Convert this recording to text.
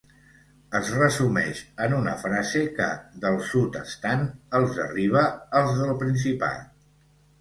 Es resumeix en una frase que, del Sud estant, els arriba als del Principat.